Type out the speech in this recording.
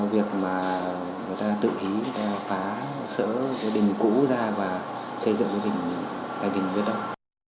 việc mà người ta tự ý người ta phá sở đỉnh cũ ra và xây dựng cái đỉnh việt nam